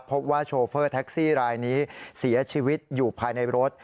โชเฟอร์แท็กซี่รายนี้เสียชีวิตอยู่ภายในรถ